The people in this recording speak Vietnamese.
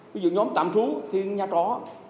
ví dụ nhóm tạm trú thì nhà trọ